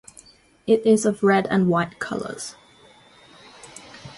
It is of red and white colours.